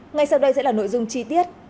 ngay sau đây sẽ là nội dung chi tiết